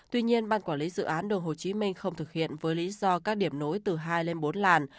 tuy nhiên ban quản lý dự án đường hồ chí minh không thực hiện với lý do các điểm nối từ hai lên bốn làn